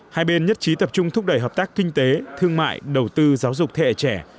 hai bên nhất trí tập trung thúc đẩy hợp tác kinh tế thương mại đầu tư giáo dục thế hệ trẻ